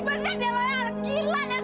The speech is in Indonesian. bener bener dia layar